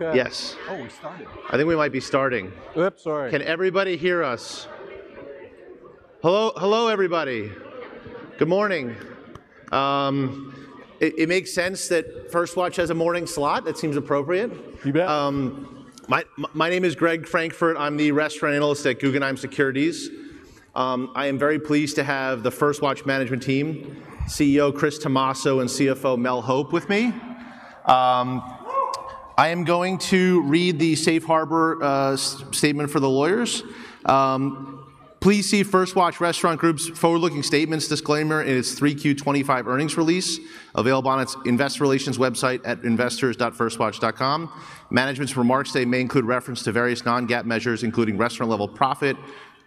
Okay. Yes. Oh, we started. I think we might be starting. Oops, sorry. Can everybody hear us? Hello, hello everybody. Good morning. It makes sense that First Watch has a morning slot. That seems appropriate. You bet. My name is Greg Francfort. I'm the Restaurant Analyst at Guggenheim Securities. I am very pleased to have the First Watch management team, CEO Chris Tomasso, and CFO Mel Hope with me. I am going to read the safe harbor statement for the lawyers. Please see First Watch Restaurant Group's forward-looking statements disclaimer in its 3Q25 earnings release, available on its investor relations website at investors.firstwatch.com. Management's remarks today may include reference to various non-GAAP measures, including restaurant-level profit,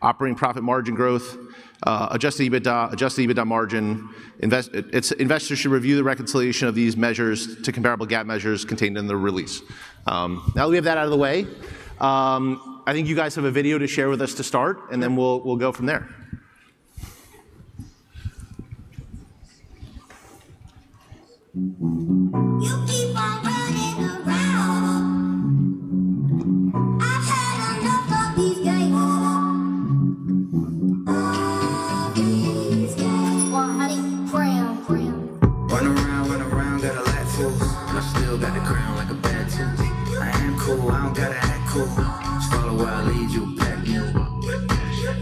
operating profit margin growth, adjusted EBITDA margin. Investors should review the reconciliation of these measures to comparable GAAP measures contained in the release. Now that we have that out of the way, I think you guys have a video to share with us to start, and then we'll go from there.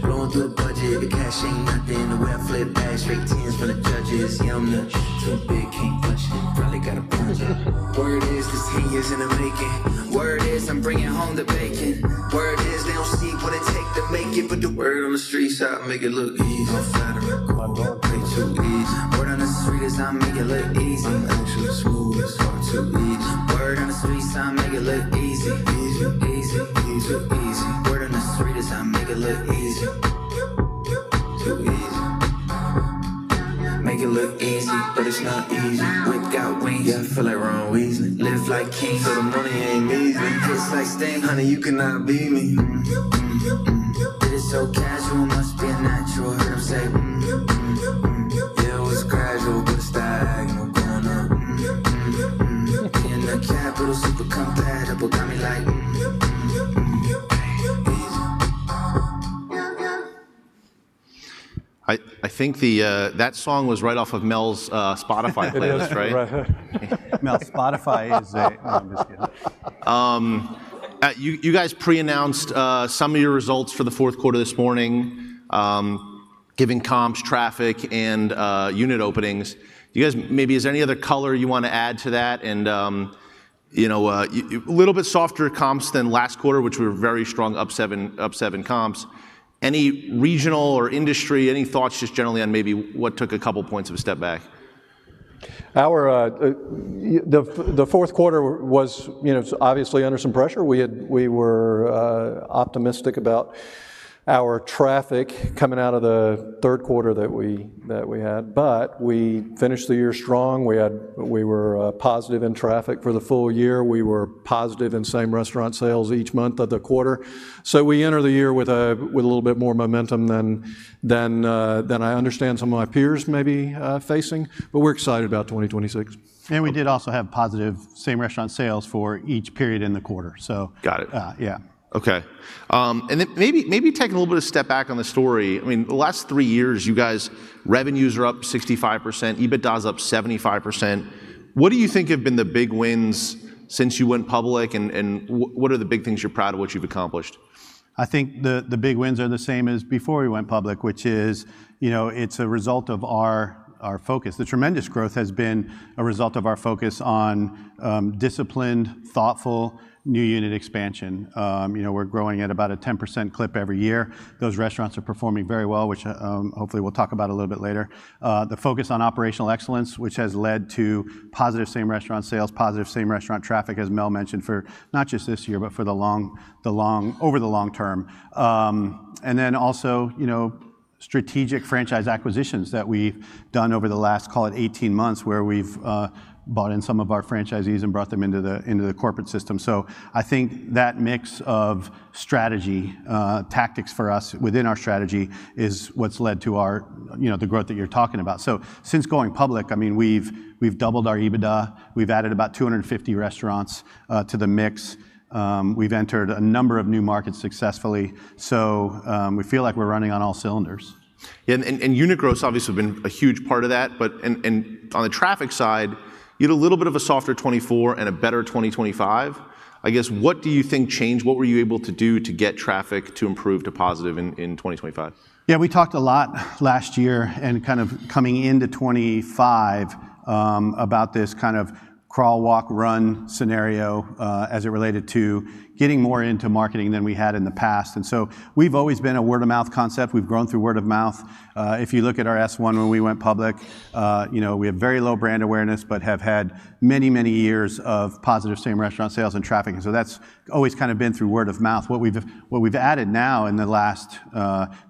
Blowing through the budget, the cash ain't nothing. The way I flip bags, straight tens from the judges. Yummy, too big, can't flinch it. Probably gotta plunge it. Word is, this hate is in the making. Word is, I'm bringing home the bacon. Word is, they don't see what it takes to make it. Put the word on the streets, I'll make it look easy. My father. My dawg paid you. Word on the streets, I'll make it look easy. I'm an actual tool, it's far too easy. Word on the streets, I'll make it look easy. Easy. Easy. Easy. Word on the streets, I'll make it look easy. Too easy. Make it look easy, but it's not easy. Without wings. Yeah, I feel like Ron Weasley. Live like kings. Feel the money ain't measly. It's like staying, honey, you cannot be me. It is so casual, must be a natural. Heard him say, "Yeah, it was gradual, but it's diagonal going up." Being the capital, super compatible, got me like, "Easy." I think that song was right off of Mel's Spotify playlist, right? Mel's Spotify is a... You guys pre-announced some of your results for the fourth quarter this morning, giving comps, traffic, and unit openings. Maybe, is there any other color you want to add to that? A little bit softer comps than last quarter, which were very strong up seven comps. Any regional or industry? Any thoughts just generally on maybe what took a couple points of a step back? The fourth quarter was obviously under some pressure. We were optimistic about our traffic coming out of the third quarter that we had, but we finished the year strong. We were positive in traffic for the full year. We were positive in same restaurant sales each month of the quarter, so we enter the year with a little bit more momentum than I understand some of my peers may be facing, but we're excited about 2026. We did also have positive same restaurant sales for each period in the quarter. Got it. Yeah. Okay. And maybe take a little bit of a step back on the story. I mean, the last three years, you guys, revenues are up 65%, EBITDA is up 75%. What do you think have been the big wins since you went public, and what are the big things you're proud of what you've accomplished? I think the big wins are the same as before we went public, which is, it's a result of our focus. The tremendous growth has been a result of our focus on disciplined, thoughtful new unit expansion. We're growing at about a 10% clip every year. Those restaurants are performing very well, which hopefully we'll talk about a little bit later. The focus on operational excellence, which has led to positive same restaurant sales, positive same restaurant traffic, as Mel mentioned, for not just this year, but for over the long term. And then also strategic franchise acquisitions that we've done over the last, call it, 18 months, where we've bought in some of our franchisees and brought them into the corporate system. So I think that mix of strategy, tactics for us within our strategy is what's led to the growth that you're talking about. So since going public, I mean, we've doubled our EBITDA. We've added about 250 restaurants to the mix. We've entered a number of new markets successfully. So we feel like we're running on all cylinders. Yeah, and unit growth has obviously been a huge part of that, but on the traffic side, you had a little bit of a softer 2024 and a better 2025. I guess, what do you think changed? What were you able to do to get traffic to improve to positive in 2025? Yeah, we talked a lot last year and kind of coming into 2025 about this kind of crawl, walk, run scenario as it related to getting more into marketing than we had in the past. And so we've always been a word-of-mouth concept. We've grown through word-of-mouth. If you look at our S-1 when we went public, we have very low brand awareness, but have had many, many years of positive same restaurant sales and traffic. And so that's always kind of been through word-of-mouth. What we've added now in the last,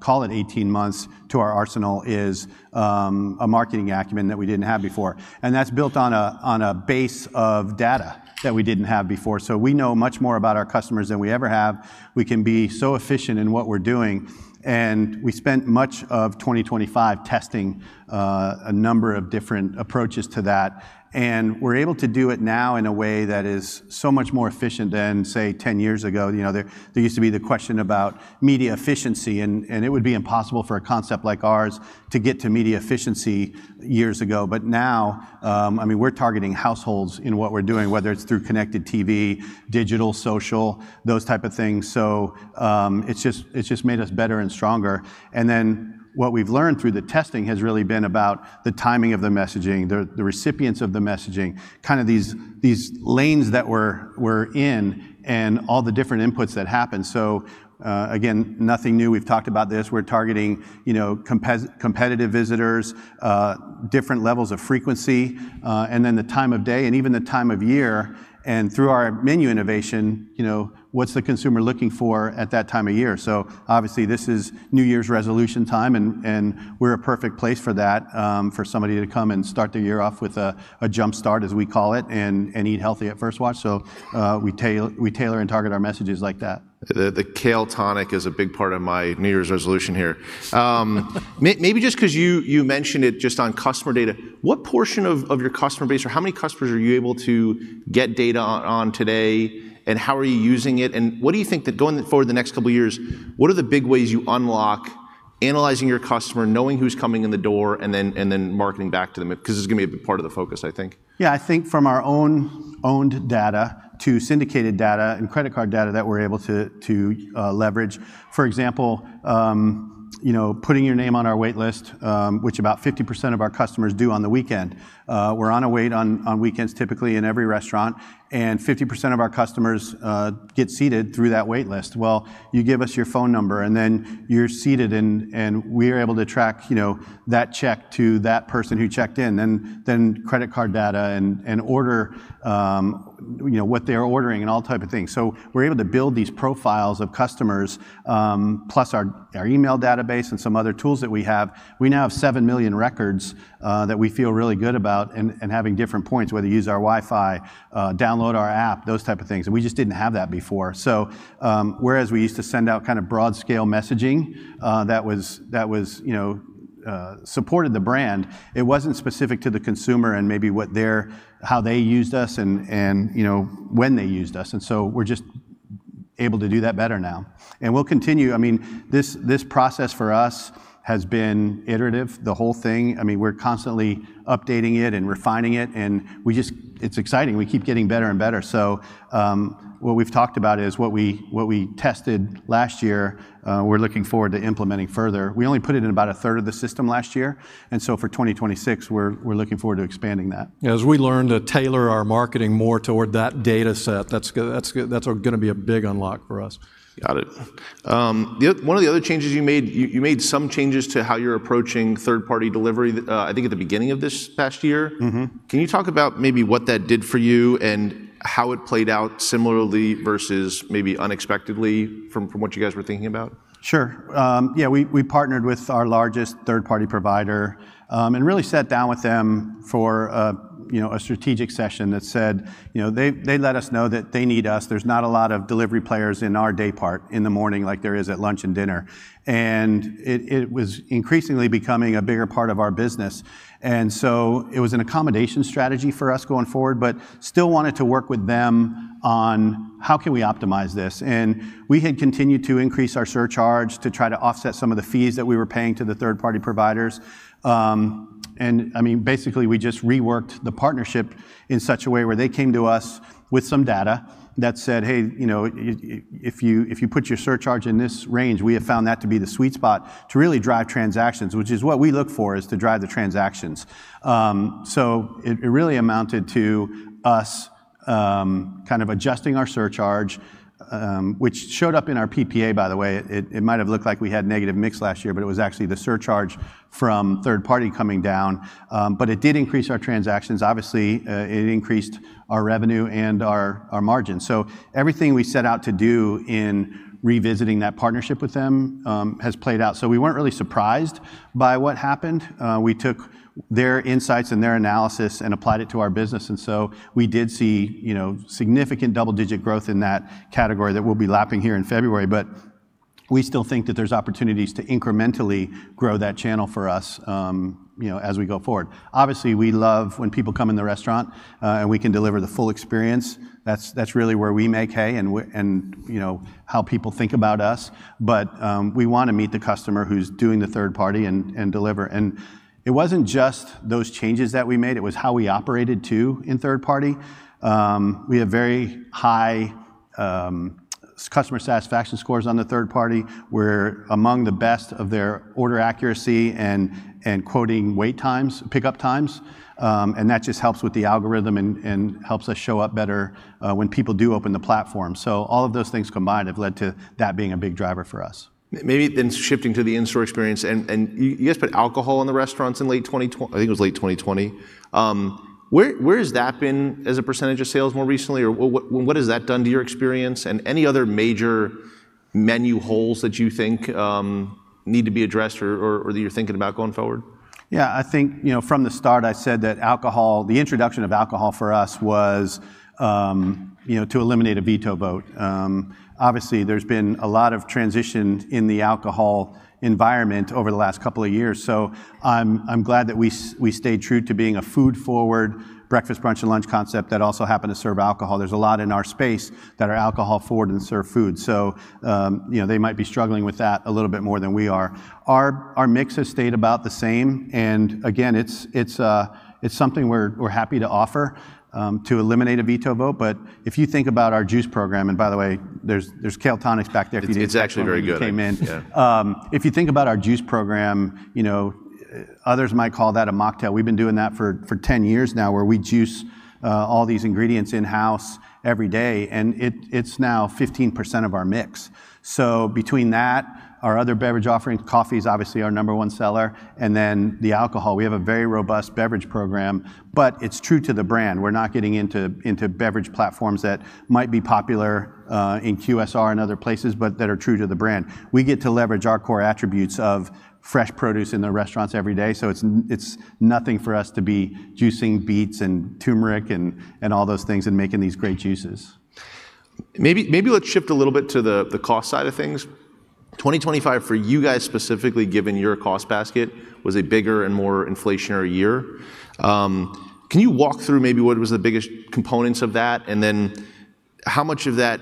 call it, 18 months to our arsenal is a marketing acumen that we didn't have before. And that's built on a base of data that we didn't have before. So we know much more about our customers than we ever have. We can be so efficient in what we're doing. We spent much of 2025 testing a number of different approaches to that. We're able to do it now in a way that is so much more efficient than, say, 10 years ago. There used to be the question about media efficiency, and it would be impossible for a concept like ours to get to media efficiency years ago. Now, I mean, we're targeting households in what we're doing, whether it's through Connected TV, digital, social, those types of things. It's just made us better and stronger. Then what we've learned through the testing has really been about the timing of the messaging, the recipients of the messaging, kind of these lanes that we're in, and all the different inputs that happen. Again, nothing new. We've talked about this. We're targeting competitive visitors, different levels of frequency, and then the time of day, and even the time of year. And through our menu innovation, what's the consumer looking for at that time of year? So obviously, this is New Year's resolution time, and we're a perfect place for that, for somebody to come and start the year off with a jump start, as we call it, and eat healthy at First Watch. So we tailor and target our messages like that. The Kale Tonic is a big part of my New Year's resolution here. Maybe just because you mentioned it just on customer data, what portion of your customer base or how many customers are you able to get data on today, and how are you using it? And what do you think that going forward the next couple of years, what are the big ways you unlock analyzing your customer, knowing who's coming in the door, and then marketing back to them? Because this is going to be a big part of the focus, I think. Yeah, I think from our owned data to syndicated data and credit card data that we're able to leverage, for example, putting your name on our waitlist, which about 50% of our customers do on the weekend. We're on a wait on weekends typically in every restaurant, and 50% of our customers get seated through that waitlist. Well, you give us your phone number, and then you're seated, and we are able to track that check to that person who checked in, then credit card data and order, what they're ordering and all type of things. So we're able to build these profiles of customers, plus our email database and some other tools that we have. We now have seven million records that we feel really good about and having different points, whether you use our Wi-Fi, download our app, those type of things. And we just didn't have that before. So whereas we used to send out kind of broad-scale messaging that supported the brand, it wasn't specific to the consumer and maybe how they used us and when they used us. And so we're just able to do that better now. And we'll continue. I mean, this process for us has been iterative, the whole thing. I mean, we're constantly updating it and refining it. And it's exciting. We keep getting better and better. So what we've talked about is what we tested last year, we're looking forward to implementing further. We only put it in about a third of the system last year. And so for 2026, we're looking forward to expanding that. Yeah. As we learn to tailor our marketing more toward that data set, that's going to be a big unlock for us. Got it. One of the other changes you made, you made some changes to how you're approaching third-party delivery, I think at the beginning of this past year. Can you talk about maybe what that did for you and how it played out similarly versus maybe unexpectedly from what you guys were thinking about? Sure. Yeah, we partnered with our largest third-party provider and really sat down with them for a strategic session. That said, they let us know that they need us. There's not a lot of delivery players in our day part in the morning like there is at lunch and dinner. And it was increasingly becoming a bigger part of our business. And so it was an accommodation strategy for us going forward, but still wanted to work with them on how can we optimize this. And we had continued to increase our surcharge to try to offset some of the fees that we were paying to the third-party providers. I mean, basically, we just reworked the partnership in such a way where they came to us with some data that said, "Hey, if you put your surcharge in this range, we have found that to be the sweet spot to really drive transactions," which is what we look for is to drive the transactions. So it really amounted to us kind of adjusting our surcharge, which showed up in our PPA, by the way. It might have looked like we had negative mix last year, but it was actually the surcharge from third-party coming down. But it did increase our transactions. Obviously, it increased our revenue and our margin. So everything we set out to do in revisiting that partnership with them has played out. So we weren't really surprised by what happened. We took their insights and their analysis and applied it to our business. And so we did see significant double-digit growth in that category that we'll be lapping here in February. But we still think that there's opportunities to incrementally grow that channel for us as we go forward. Obviously, we love when people come in the restaurant and we can deliver the full experience. That's really where we make hay and how people think about us. But we want to meet the customer who's doing the third-party and deliver. And it wasn't just those changes that we made. It was how we operated too in third-party. We have very high customer satisfaction scores on the third-party. We're among the best of their order accuracy and quoting wait times, pickup times. And that just helps with the algorithm and helps us show up better when people do open the platform. So all of those things combined have led to that being a big driver for us. Maybe then shifting to the in-store experience, and you guys put alcohol in the restaurants in late 2020. I think it was late 2020. Where has that been as a percentage of sales more recently? Or what has that done to your experience, and any other major menu holes that you think need to be addressed or that you're thinking about going forward? Yeah, I think from the start, I said that alcohol, the introduction of alcohol for us was to eliminate a veto vote. Obviously, there's been a lot of transition in the alcohol environment over the last couple of years. So I'm glad that we stayed true to being a food-forward breakfast, brunch, and lunch concept that also happened to serve alcohol. There's a lot in our space that are alcohol-forward and serve food. So they might be struggling with that a little bit more than we are. Our mix has stayed about the same. And again, it's something we're happy to offer to eliminate a veto vote. But if you think about our juice program, and by the way, there's Kale Tonics back there if you didn't know. It's actually very good. If you think about our juice program, others might call that a mocktail. We've been doing that for 10 years now where we juice all these ingredients in-house every day. And it's now 15% of our mix. So between that, our other beverage offering, coffee is obviously our number one seller. And then the alcohol, we have a very robust beverage program. But it's true to the brand. We're not getting into beverage platforms that might be popular in QSR and other places, but that are true to the brand. We get to leverage our core attributes of fresh produce in the restaurants every day. So it's nothing for us to be juicing beets and turmeric and all those things and making these great juices. Maybe let's shift a little bit to the cost side of things. 2025 for you guys specifically, given your cost basket, was a bigger and more inflationary year. Can you walk through maybe what was the biggest components of that? And then how much if that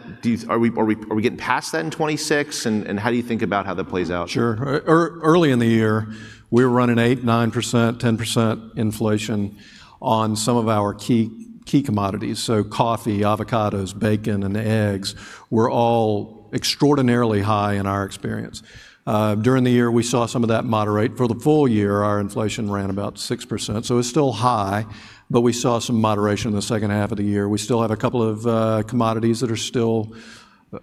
are we getting past that in 2026? And how do you think about how that plays out? Sure. Early in the year, we were running 8%, 9%, 10% inflation on some of our key commodities. So coffee, avocados, bacon, and eggs were all extraordinarily high in our experience. During the year, we saw some of that moderate. For the full year, our inflation ran about 6%. So it's still high, but we saw some moderation in the second half of the year. We still have a couple of commodities that are still,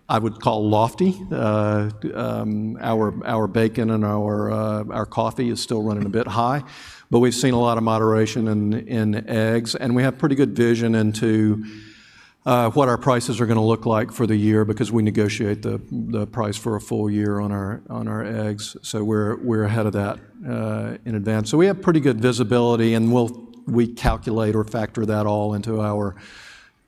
I would call, lofty. Our bacon and our coffee is still running a bit high. But we've seen a lot of moderation in eggs. And we have pretty good vision into what our prices are going to look like for the year because we negotiate the price for a full year on our eggs. So we're ahead of that in advance. So we have pretty good visibility, and we calculate or factor that all into our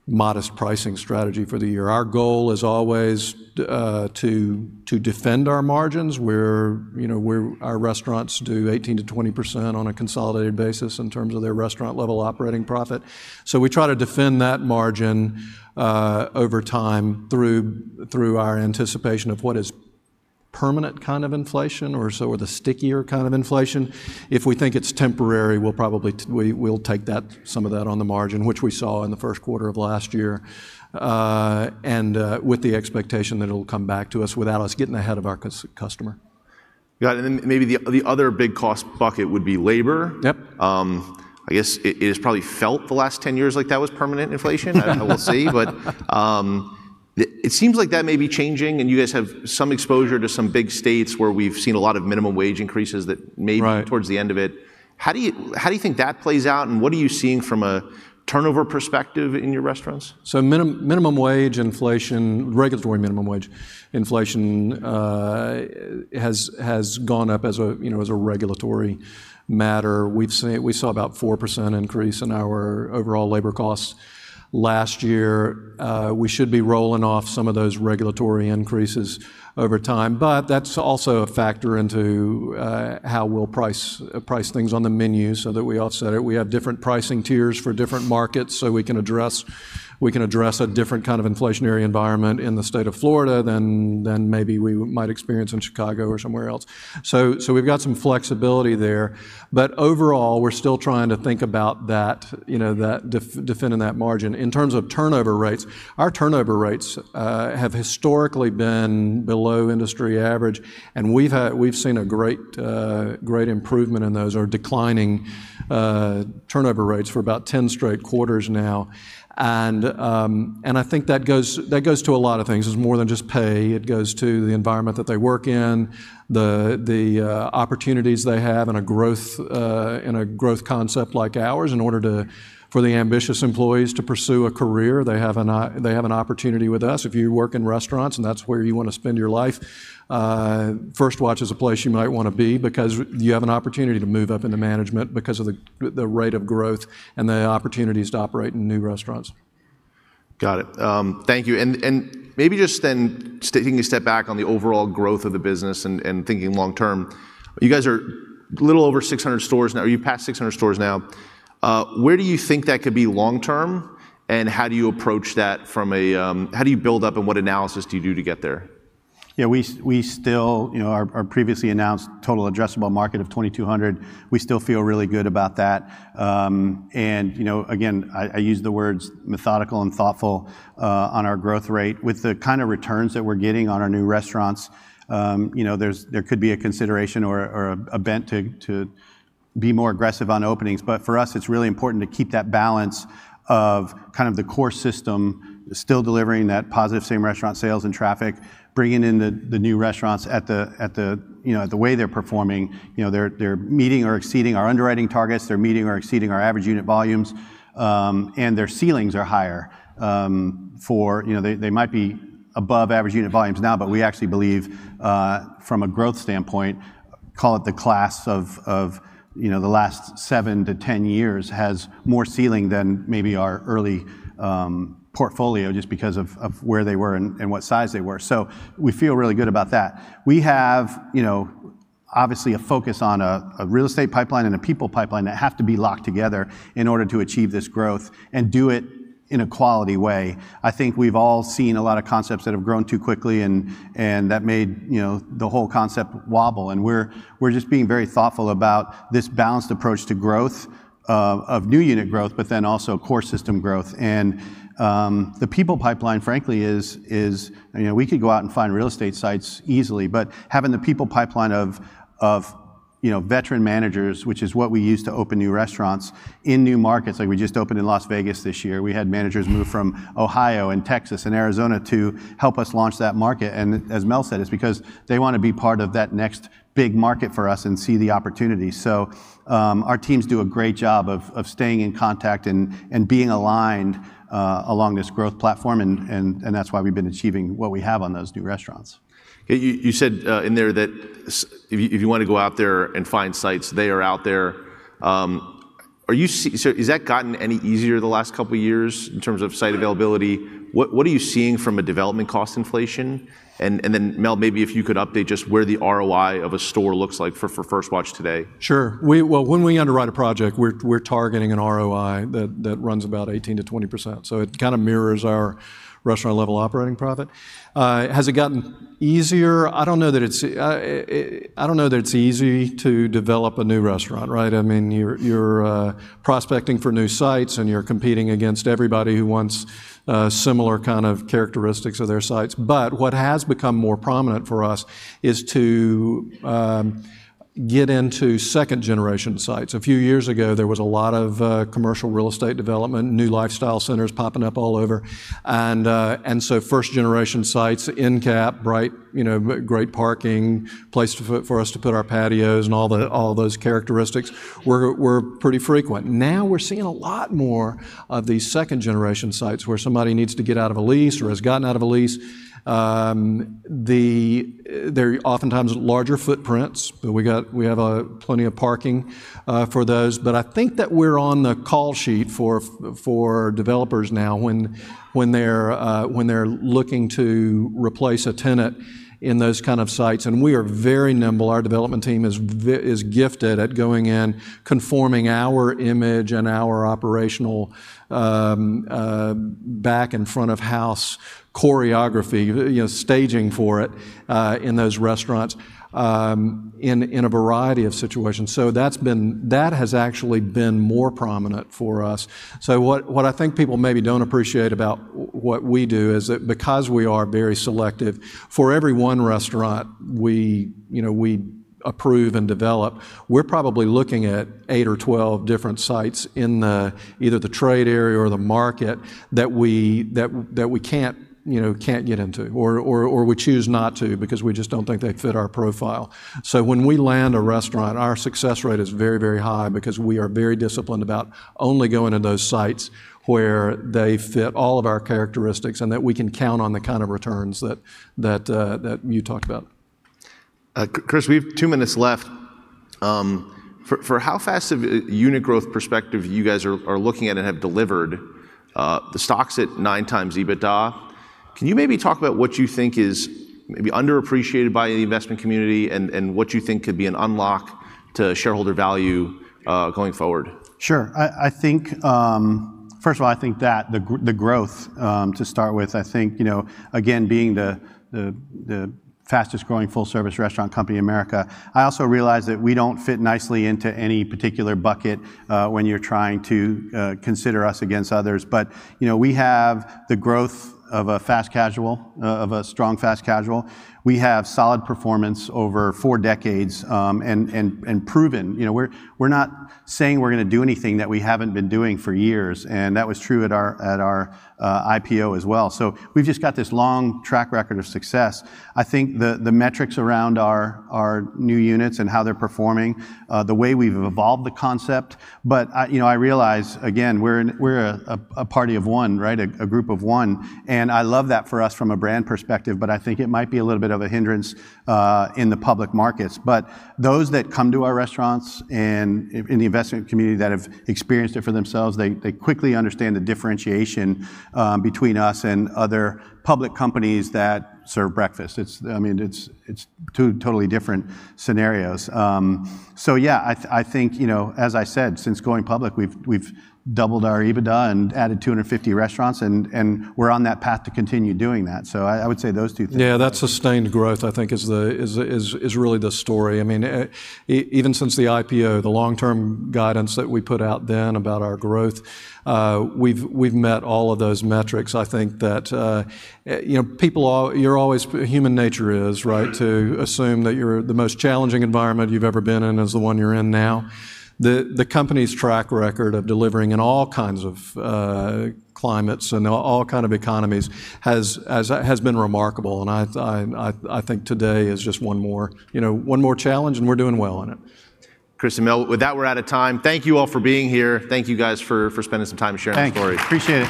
modest pricing strategy for the year. Our goal is always to defend our margins. Our restaurants do 18%-20% on a consolidated basis in terms of their restaurant-level operating profit. So we try to defend that margin over time through our anticipation of what is permanent kind of inflation or the stickier kind of inflation. If we think it's temporary, we'll take some of that on the margin, which we saw in the first quarter of last year and with the expectation that it'll come back to us without us getting ahead of our customer. Got it. And then maybe the other big cost bucket would be labor. I guess it has probably felt the last 10 years like that was permanent inflation. I don't know. We'll see. But it seems like that may be changing. And you guys have some exposure to some big states where we've seen a lot of minimum wage increases that maybe towards the end of it. How do you think that plays out? And what are you seeing from a turnover perspective in your restaurants? Minimum wage inflation, regulatory minimum wage inflation has gone up as a regulatory matter. We saw about 4% increase in our overall labor costs last year. We should be rolling off some of those regulatory increases over time. But that's also a factor into how we'll price things on the menu so that we offset it. We have different pricing tiers for different markets so we can address a different kind of inflationary environment in the state of Florida than maybe we might experience in Chicago or somewhere else. So we've got some flexibility there. But overall, we're still trying to think about defending that margin. In terms of turnover rates, our turnover rates have historically been below industry average. And we've seen a great improvement in those or declining turnover rates for about 10 straight quarters now. And I think that goes to a lot of things. It's more than just pay. It goes to the environment that they work in, the opportunities they have in a growth concept like ours in order for the ambitious employees to pursue a career. They have an opportunity with us. If you work in restaurants and that's where you want to spend your life, First Watch is a place you might want to be because you have an opportunity to move up in the management because of the rate of growth and the opportunities to operate in new restaurants. Got it. Thank you. And maybe just then taking a step back on the overall growth of the business and thinking long-term, you guys are a little over 600 stores now. You're past 600 stores now. Where do you think that could be long-term? And how do you approach that from a how do you build up and what analysis do you do to get there? Yeah, we still see our previously announced total addressable market of 2,200. We still feel really good about that. And again, I use the words methodical and thoughtful on our growth rate. With the kind of returns that we're getting on our new restaurants, there could be a consideration or a bent to be more aggressive on openings. But for us, it's really important to keep that balance of kind of the core system still delivering that positive same-restaurant sales and same-restaurant traffic, bringing in the new restaurants at the way they're performing. They're meeting or exceeding our underwriting targets. They're meeting or exceeding our average unit volumes. And their ceilings are higher. They might be above average unit volumes now, but we actually believe from a growth standpoint, call it the class of the last seven to 10 years has more ceiling than maybe our early portfolio just because of where they were and what size they were. So we feel really good about that. We have obviously a focus on a real estate pipeline and a people pipeline that have to be locked together in order to achieve this growth and do it in a quality way. I think we've all seen a lot of concepts that have grown too quickly and that made the whole concept wobble, and we're just being very thoughtful about this balanced approach to growth of new unit growth, but then also core system growth. The people pipeline, frankly, is we could go out and find real estate sites easily, but having the people pipeline of veteran managers, which is what we use to open new restaurants in new markets, like we just opened in Las Vegas this year, we had managers move from Ohio and Texas and Arizona to help us launch that market. As Mel said, it's because they want to be part of that next big market for us and see the opportunity. Our teams do a great job of staying in contact and being aligned along this growth platform. That's why we've been achieving what we have on those new restaurants. You said in there that if you want to go out there and find sites, they are out there. So has that gotten any easier the last couple of years in terms of site availability? What are you seeing from a development cost inflation? And then Mel, maybe if you could update just where the ROI of a store looks like for First Watch today. Sure. Well, when we underwrite a project, we're targeting an ROI that runs about 18%-20%. So it kind of mirrors our restaurant-level operating profit. Has it gotten easier? I don't know that it's easy to develop a new restaurant, right? I mean, you're prospecting for new sites and you're competing against everybody who wants similar kind of characteristics of their sites. But what has become more prominent for us is to get into second-generation sites. A few years ago, there was a lot of commercial real estate development, new lifestyle centers popping up all over. And so first-generation sites, in-cap, great parking, place for us to put our patios and all those characteristics, were pretty frequent. Now we're seeing a lot more of these second-generation sites where somebody needs to get out of a lease or has gotten out of a lease. They're oftentimes larger footprints. We have plenty of parking for those. But I think that we're on the call sheet for developers now when they're looking to replace a tenant in those kind of sites, and we are very nimble. Our development team is gifted at going in, conforming our image and our operational back and front of house choreography, staging for it in those restaurants in a variety of situations, so that has actually been more prominent for us, so what I think people maybe don't appreciate about what we do is that because we are very selective, for every one restaurant we approve and develop, we're probably looking at eight or 12 different sites in either the trade area or the market that we can't get into or we choose not to because we just don't think they fit our profile. When we land a restaurant, our success rate is very, very high because we are very disciplined about only going to those sites where they fit all of our characteristics and that we can count on the kind of returns that you talked about. Chris, we have two minutes left. For how fast, from a unit growth perspective, you guys are looking at and have delivered the stocks at nine times EBITDA? Can you maybe talk about what you think is maybe underappreciated by the investment community and what you think could be an unlock to shareholder value going forward? Sure. I think, first of all, I think that the growth to start with, I think, again, being the fastest-growing full-service restaurant company in America. I also realize that we don't fit nicely into any particular bucket when you're trying to consider us against others. But we have the growth of a fast casual, of a strong fast casual. We have solid performance over four decades and proven. We're not saying we're going to do anything that we haven't been doing for years. And that was true at our IPO as well. So we've just got this long track record of success. I think the metrics around our new units and how they're performing, the way we've evolved the concept. But I realize, again, we're a party of one, right, a group of one. And I love that for us from a brand perspective, but I think it might be a little bit of a hindrance in the public markets. But those that come to our restaurants and in the investment community that have experienced it for themselves, they quickly understand the differentiation between us and other public companies that serve breakfast. I mean, it's two totally different scenarios. So yeah, I think, as I said, since going public, we've doubled our EBITDA and added 250 restaurants. And we're on that path to continue doing that. So I would say those two things. Yeah. That sustained growth, I think, is really the story. I mean, even since the IPO, the long-term guidance that we put out then about our growth, we've met all of those metrics. I think that human nature is, right, to assume that the most challenging environment you've ever been in is the one you're in now. The company's track record of delivering in all kinds of climates and all kinds of economies has been remarkable, and I think today is just one more challenge, and we're doing well on it. Chris and Mel, with that, we're out of time. Thank you all for being here. Thank you guys for spending some time sharing the story. Thanks. Appreciate it.